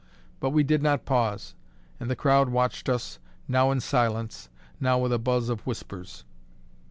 But we did not pause; and the crowd watched us, now in silence, now with a buzz of whispers.